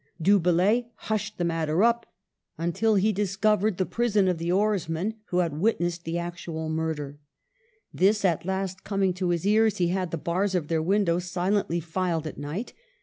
Du Bellay hushed the matter up until he discovered the prison of the oarsmen who had witnessed the actual murder. This at last coming to his ears, he had the bars of their windows silently filed at night.